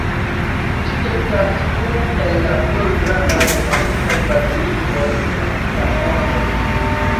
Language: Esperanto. Ĝi estas unu el la plej grandaj romanikaj bazilikoj de la tuta mondo.